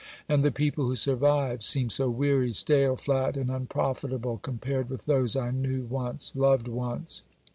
And the people who survive seem so weary, stale, flat, and unprofitable compared with those I knew once, loved once....